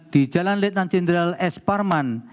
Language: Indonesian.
di jalan lieutenant jenderal s parman